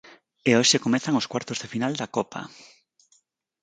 E hoxe comezan os cuartos de final da Copa.